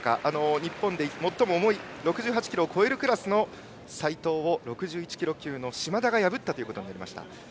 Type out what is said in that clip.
日本で最も重い６８キロ級を超えるクラスの齊藤を６１キロ級の嶋田が破ったということになりました。